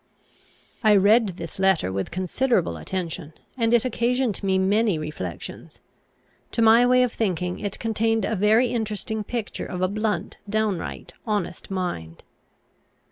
I read this letter with considerable attention, and it occasioned me many reflections. To my way of thinking it contained a very interesting picture of a blunt, downright, honest mind.